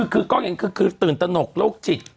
คือกล้องเองคือตื่นตนกโรคจิต